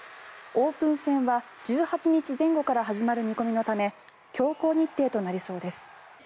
オープン戦は１８日前後から始まる見込みのため強行日程となりそうです。